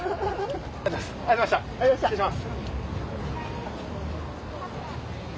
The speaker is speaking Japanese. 失礼します。